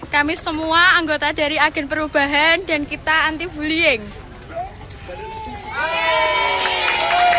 kami semua anggota dari agen perubahan dan kita anti bullying